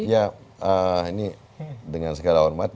ya ini dengan segala hormat